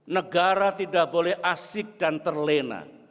negara tidak boleh asik dan terlena